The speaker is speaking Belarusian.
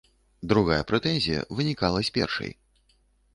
Другая прэтэнзія вынікала з першай.